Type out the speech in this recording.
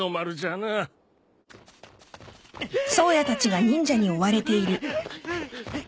なっ！？